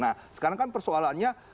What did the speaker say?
nah sekarang kan persoalannya